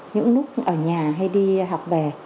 những lúc ở nhà hay đi học bè